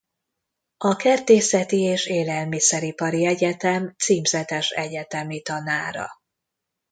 A Kertészeti és Élelmiszeripari Egyetem címzetes egyetemi tanára.